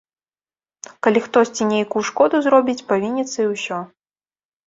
Калі хтосьці нейкую шкоду зробіць, павініцца, і ўсё.